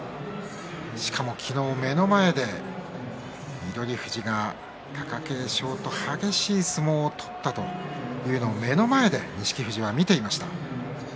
しかも、昨日、目の前で翠富士が貴景勝と激しい相撲を取ったというのを目の前で見ていました。